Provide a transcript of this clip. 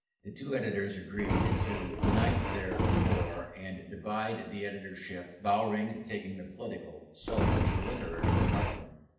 The two editors agreed to unite their corps, and divide the editorship, Bowring taking the political, Southern the literary department.